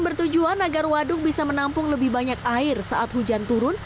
bertujuan agar waduk bisa menampung lebih banyak air saat hujan turun